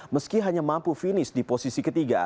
meski hanya mampu finish di posisi ketiga